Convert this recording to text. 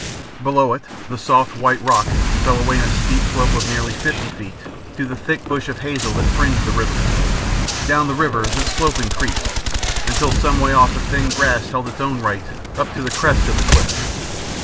Below it the soft, white rock fell away in a steep slope of nearly fifty feet to the thick bush of hazel that fringed the river. Down the river this slope increased, until some way off a thin grass held its own right up to the crest of the cliff.